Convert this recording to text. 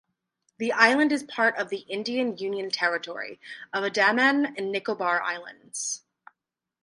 The island is part of the Indian union territory of Andaman and Nicobar Islands.